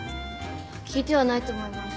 聞いてはないと思います。